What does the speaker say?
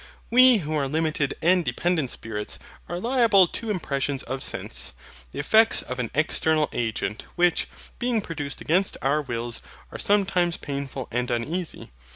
We, who are limited and dependent spirits, are liable to impressions of sense, the effects of an external Agent, which, being produced against our wills, are sometimes painful and uneasy.